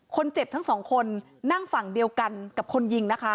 คนเจ็บทั้งสองคนนั่งฝั่งเดียวกันกับคนยิงนะคะ